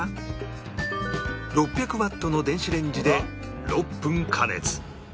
６００ワットの電子レンジで６分加熱